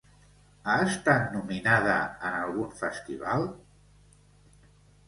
Ha estat nominada en algun festival?